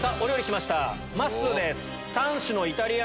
まっすーです。